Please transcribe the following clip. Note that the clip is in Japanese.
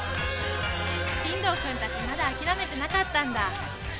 進藤君たちまだあきらめてなかったんだ。